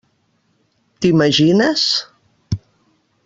T'imagines?